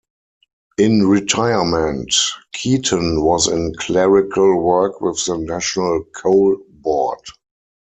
In retirement, Keeton was in clerical work with the National Coal Board.